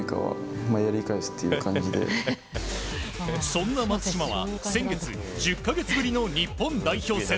そんな松島は先月１０か月ぶりの日本代表戦。